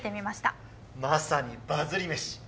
まさにバズり飯！